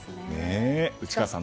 内川さん